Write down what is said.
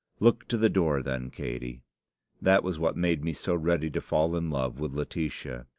Look to the door then, Katey. That was what made me so ready to fall in love with Laetitia.